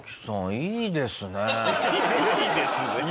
いいですね。